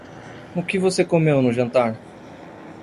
O que você comeu no jantar?